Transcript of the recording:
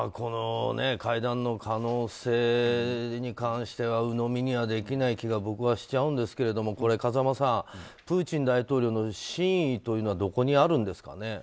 会談の可能性に関しては鵜呑みにはできない気が僕はしちゃうんですけど風間さんプーチン大統領の真意というのはどこにあるんですか？